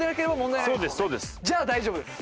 じゃあ大丈夫です。